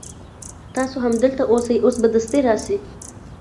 تاسو هم دلته اوسئ اوس به دستي راسي.